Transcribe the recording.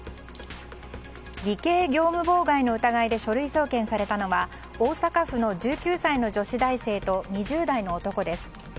偽計業務妨害の疑いで書類送検されたのは大阪府の１９歳の女子大生と２０代の男です。